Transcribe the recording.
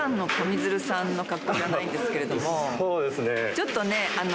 「ちょっとねあの」